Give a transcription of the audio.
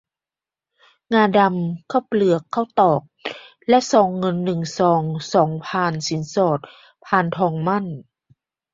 งาดำ ข้าวเปลือก ข้าวตอก และซองเงิน หนึ่ง ซอง สอง พานสินสอด พานทองหมั้น